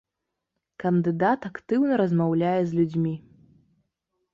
Кандыдат актыўна размаўляе з людзьмі.